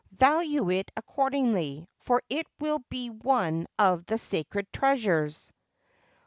Value it accordingly, for it will be one of the sacred treasures.'